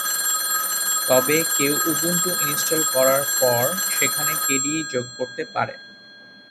তবে কেউ Ubuntu install করার পর সেখানে কেডিই যোগ করতে পারে।